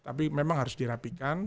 tapi memang harus dirapikan